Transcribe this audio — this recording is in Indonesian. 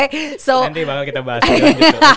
nanti bakal kita bahas juga gitu